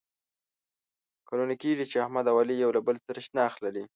کلونه کېږي چې احمد او علي یو له بل سره شناخت لري.